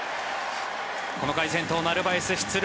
この回、先頭のナルバエス出塁。